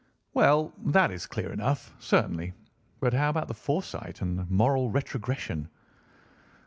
"Well, that is clear enough, certainly. But how about the foresight and the moral retrogression?"